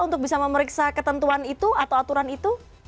untuk bisa memeriksa ketentuan itu atau aturan itu